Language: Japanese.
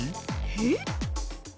えっ？